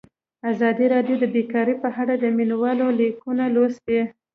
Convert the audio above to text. ازادي راډیو د بیکاري په اړه د مینه والو لیکونه لوستي.